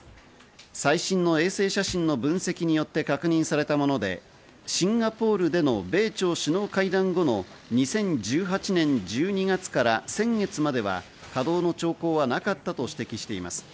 最新の衛星写真の分析によって確認されたもので、シンガポールでの米朝首脳会談後の２０１８年１２月から先月までは稼動の兆候はなかったと指摘しています。